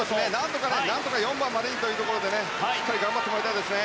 なんとか４番までということでしっかり頑張ってもらいたいですね。